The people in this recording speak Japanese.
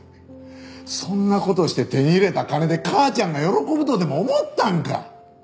そんな事して手に入れた金で母ちゃんが喜ぶとでも思ったんか？